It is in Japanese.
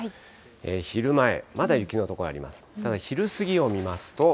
昼前、まだ雪の所あります。